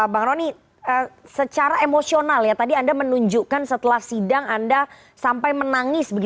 bang roni secara emosional ya tadi anda menunjukkan setelah sidang anda sampai menangis